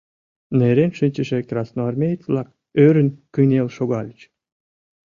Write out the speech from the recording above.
Нерен шинчыше красноармеец-влак ӧрын кынел шогальыч.